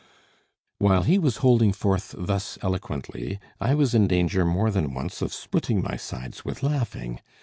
While he was holding forth thus eloquently, I was in danger more than once of splitting my sides with laughing.